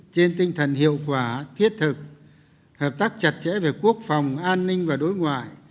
trên tinh thần hiệu quả thiết thực hợp tác chặt chẽ về quốc phòng an ninh và đối ngoại